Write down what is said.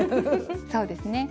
そうですね。